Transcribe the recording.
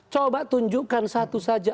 coba tunjukkan satu saja